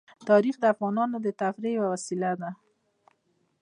تاریخ د افغانانو د تفریح یوه وسیله ده.